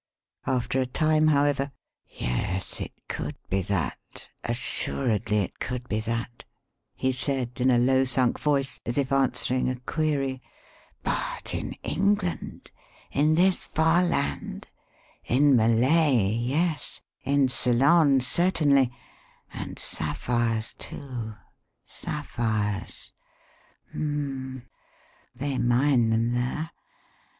After a time, however: "Yes, it could be that assuredly it could be that," he said in a low sunk voice, as if answering a query. "But in England in this far land. In Malay, yes; in Ceylon, certainly. And sapphires, too sapphires! Hum m m! They mine them there.